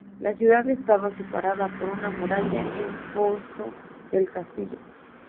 La ciudad estaba separada por una muralla y un foso del castillo.